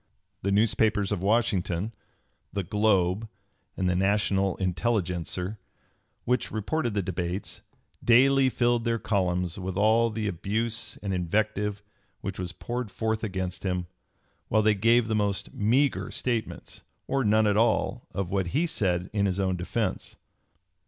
The newspapers of Washington the "Globe" and the "National Intelligencer" which reported the debates, daily filled their columns with all the abuse and invective which was poured forth against him, while they gave the most meagre statements, or none at all, of what he said in his own defence.